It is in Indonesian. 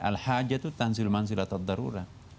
al hajat itu tansil manzilatat darurat